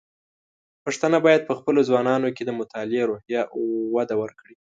پښتانه بايد په خپلو ځوانانو کې د مطالعې روحيه وده ورکړي.